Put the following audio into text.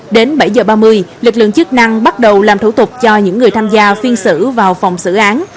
đến bảy h ba mươi lực lượng chức năng bắt đầu làm thủ tục cho những người tham gia phiên xử vào phòng xử án